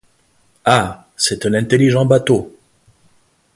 Ah ! c’est un intelligent bateau !